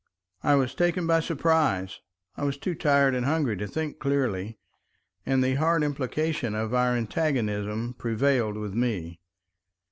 I was taken by surprise. I was too tired and hungry to think clearly, and the hard implication of our antagonism prevailed with me.